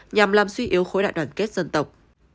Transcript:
nhằm làm suy yếu khối đại đoàn kết dân tộc